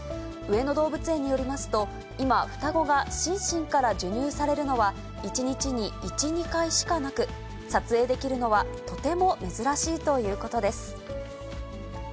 上野動物園によりますと、今、双子がシンシンから授乳されるのは、１日に１、２回しかなく、撮影できるのはとても珍しいということです。